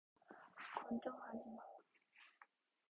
걱정하지 마.